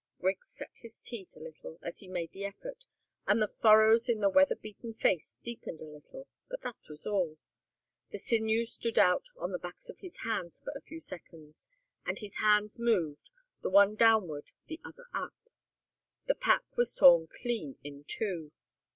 Griggs set his teeth a little as he made the effort, and the furrows in the weather beaten face deepened a little, but that was all. The sinews stood out on the backs of his hands for a few seconds, and his hands moved, the one downwards, the other up. The pack was torn clean in two.